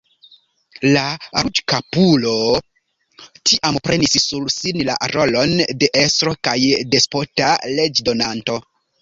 La ruĝkapulo tiam prenis sur sin la rolon de estro kaj despota leĝdonanto.